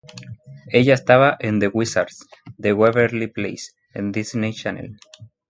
Ella estaba en The Wizards de Waverly Place de Disney Channel.